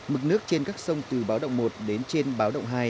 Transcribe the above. mực nước trên các sông từ báo động một đến trên báo động hai